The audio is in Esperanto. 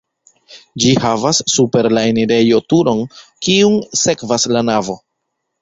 Ĝi havas super la enirejo turon, kiun sekvas la navo.